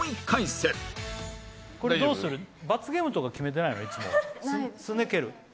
これどうする？